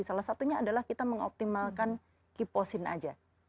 salah satunya adalah kita mengoptimalkan keep posin aja